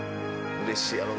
うれしいやろな。